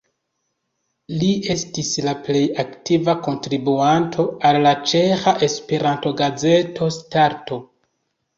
Li estis la plej aktiva kontribuanto al la ĉeĥa Esperanto-gazeto Starto.